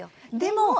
でも。